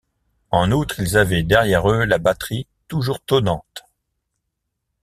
En outre, ils avaient derrière eux la batterie toujours tonnante.